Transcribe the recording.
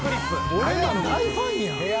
俺の大ファンやん。